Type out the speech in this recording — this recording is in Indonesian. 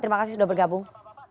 terima kasih sudah bergabung